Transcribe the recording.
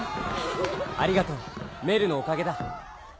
ありがとうメルのおかげだ。